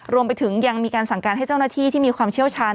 รวมไปถึงยังมีการสั่งการให้เจ้าหน้าที่ที่มีความเชี่ยวชาญ